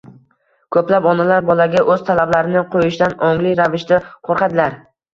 Ko‘plab onalar bolaga o‘z talablarini qo‘yishdan ongli ravishda qo‘rqadilar.